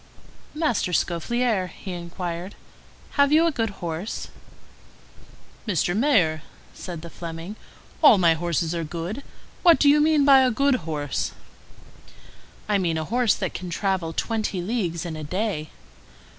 "Master Scaufflaire," he inquired, "have you a good horse?" "Mr. Mayor," said the Fleming, "all my horses are good. What do you mean by a good horse?" "I mean a horse which can travel twenty leagues in a day."